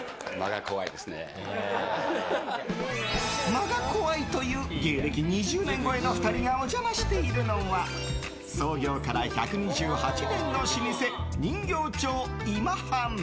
間が怖いという芸歴２０年超えの２人がお邪魔しているのは創業から１２８年の老舗人形町今半。